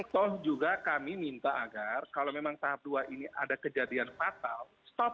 toh juga kami minta agar kalau memang tahap dua ini ada kejadian fatal stop